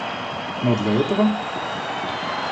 Но для этого...